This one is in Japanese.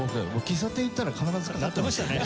喫茶店行ったら必ずかかってましたよね